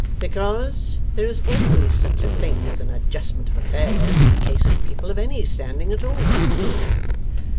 Because, there is always such a thing as an adjustment of affairs, in the case of people of any standing at all.